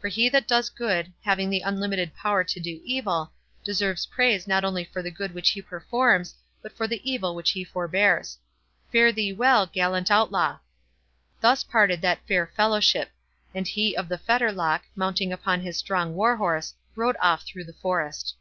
For he that does good, having the unlimited power to do evil, deserves praise not only for the good which he performs, but for the evil which he forbears. Fare thee well, gallant Outlaw!" Thus parted that fair fellowship; and He of the Fetterlock, mounting upon his strong war horse, rode off through the forest.